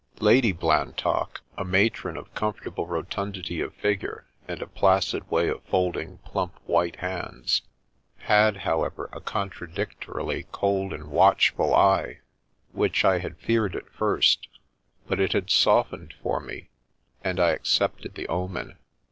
2 The Princess Passes Lady Blantock, a matron of comfortable rotun dity of figure and a placid way of folding plump^ white hands, had, however, a contradictorily cold and watchful eye, which I had feared at first; but it had softened for me, and I accepted the omen.